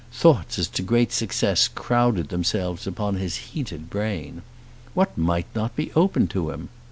Thoughts as to great successes crowded themselves upon his heated brain. What might not be open to him?